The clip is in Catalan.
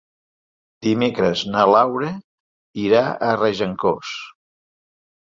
Dimecres na Laura irà a Regencós.